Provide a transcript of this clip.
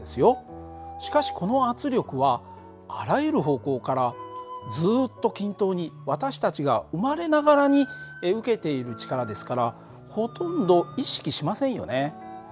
しかしこの圧力はあらゆる方向からずっと均等に私たちが生まれながらに受けている力ですからほとんど意識しませんよね。